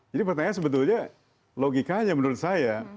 jadi pertanyaannya sebetulnya logikanya menurut saya